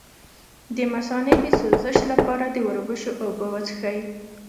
د مثانې د سوزش لپاره د وربشو اوبه وڅښئ